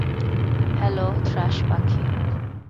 Hello, thrush পাখি।